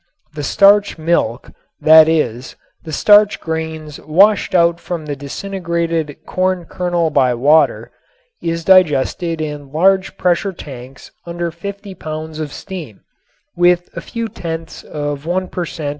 The "starch milk," that is, the starch grains washed out from the disintegrated corn kernel by water, is digested in large pressure tanks under fifty pounds of steam with a few tenths of one per cent.